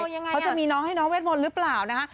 เขาจะมีน้องให้น้องเวทมนต์หรือเปล่านะคะ